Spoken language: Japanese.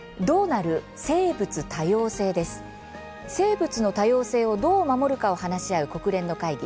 生物の多様性をどう守るかを話し合う国連の会議